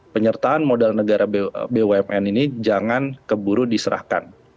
penyertaan modal negara bumn ini jangan keburu diserahkan